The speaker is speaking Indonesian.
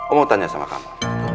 om mau tanya sama kamu